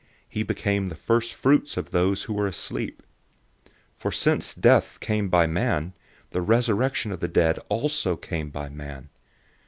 He became the first fruits of those who are asleep. 015:021 For since death came by man, the resurrection of the dead also came by man.